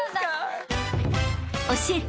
［教えて！